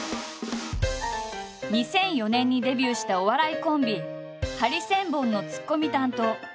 ２００４年にデビューしたお笑いコンビハリセンボンのツッコミ担当。